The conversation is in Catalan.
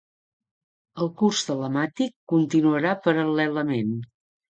El curs telemàtic continuarà paral·lelament.